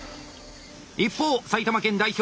一方埼玉県代表